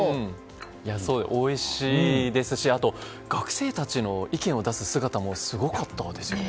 おいしいですしあと、学生たちの意見を出す姿もすごかったですよね。